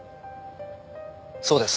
そうです。